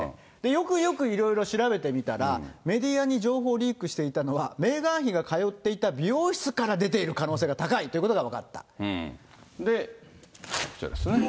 よくよくいろいろ調べてみたら、メディアに情報をリークしていたのは、メーガン妃が通っていた美容室から出ている可能性が高いというこで、こちらですね。